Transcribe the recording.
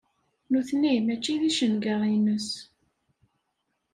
Nutni mačči d icenga-ines.